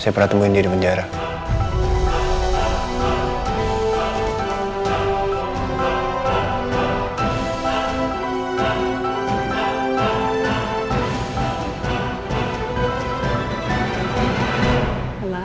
saya pernah temuin dia di penjara